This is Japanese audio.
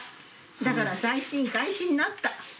だから再審開始になった。